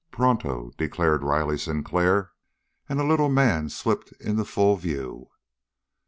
"Pronto!" declared Riley Sinclair, and a little man slipped into full view.